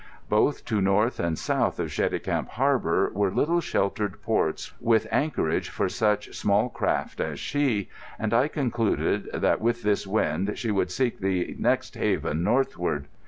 Both to north and south of Cheticamp Harbour were little sheltered ports with anchorage for such small craft as she; and I concluded that with this wind she would seek the next haven northward.